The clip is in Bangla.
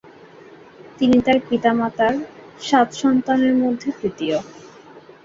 তিনি তার পিতা-মাতার সাত সন্তানের মধ্যে তৃতীয়।